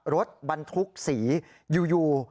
รถบรรทุกสีอยู่